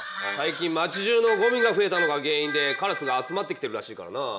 最近町じゅうのゴミが増えたのが原因でカラスが集まってきてるらしいからな。